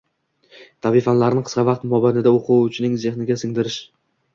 tabiiy fanlarni qisqa vaqt mobaynida o‘quvchining zehniga singdirishi